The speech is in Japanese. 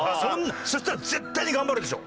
そしたら絶対に頑張るでしょ？